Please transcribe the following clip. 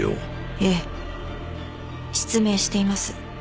ええ失明しています。